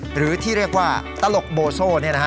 หรือที่เรียกว่าตลกโบโซ่